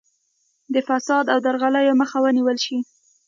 د فساد او درغلیو مخه ونیول شي.